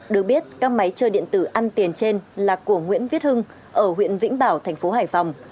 được biết các máy chơi điện tử ăn tiền trên là của nguyễn viết hưng ở huyện vĩnh bảo thành phố hải phòng